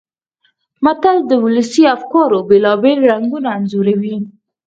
متل د ولسي افکارو بېلابېل رنګونه انځوروي